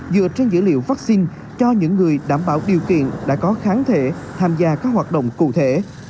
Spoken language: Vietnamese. dựa trên dữ liệu vaccine cho những người đảm bảo điều kiện đã có kháng thể tham gia các hoạt động cụ thể